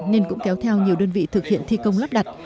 nên cũng kéo theo nhiều đơn vị thực hiện thi công lắp đặt